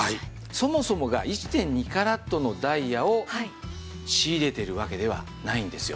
そもそもが１．２カラットのダイヤを仕入れているわけではないんですよ。